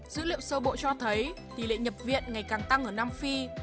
dữ liệu sơ bộ cho thấy tỷ lệ nhập viện ngày càng tăng ở nam phi